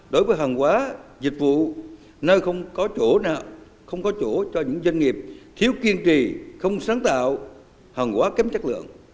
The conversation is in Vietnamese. đối với hàng hóa dịch vụ nơi không có chỗ nào không có chỗ cho những doanh nghiệp thiếu kiên trì không sáng tạo hàng hóa kém chất lượng